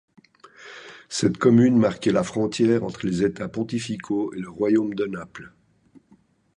Cette commune marquait la frontière entre les États pontificaux et le Royaume de Naples.